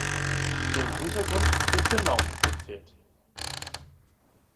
Im Hintergrund wird genau mitgezählt.